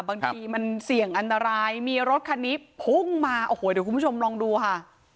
บางทีมันเสี่ยงอันตรายมีรถคันนี้พุ่งมาโอ้โหเดี๋ยวคุณผู้ชมลองดูค่ะ